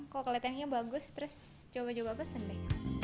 kok letaknya bagus terus coba coba pesen deh